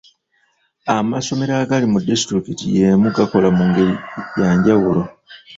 Amasomero agali mu disitulikiti y'emu gakola mu ngeri ya njawulo.